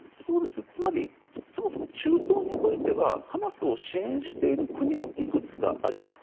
つまりそもそも中東においてはハマスを支援している国もいくつかあります。